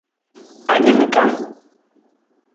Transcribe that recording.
Aningkang.